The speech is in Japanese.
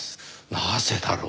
なぜだろう？